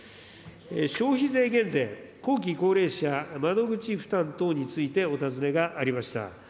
消費税減税、後期高齢者窓口負担等についてお尋ねがありました。